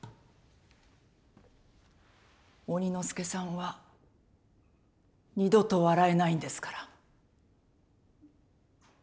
鬼ノ助さんは二度と笑えないんですから。